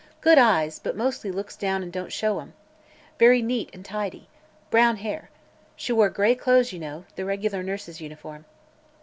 Good eyes, but mostly looks down an' don't show 'em. Very neat an' tidy. Brown hair. She wore gray clothes, you know the reg'lar nurse's uniform."